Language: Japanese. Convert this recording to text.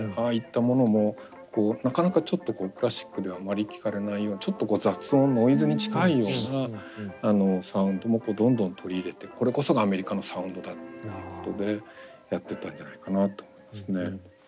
ああいったものもこうなかなかちょっとクラシックではあまり聞かれないようなちょっとこう雑音ノイズに近いようなサウンドもどんどん取り入れてこれこそがアメリカのサウンドだっていうことでやってったんじゃないかなと思いますね。